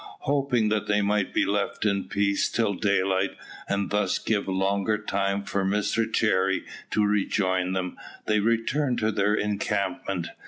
Hoping that they might be left in peace till daylight, and thus give longer time for Mr Cherry to rejoin them, they returned to their encampment.